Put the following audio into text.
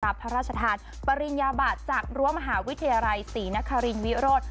พระราชทานปริญญาบัตรจากรั้วมหาวิทยาลัยศรีนครินวิโรธ